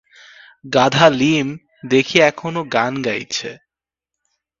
গাধা লীম দেখি এখনো গান গাইছে।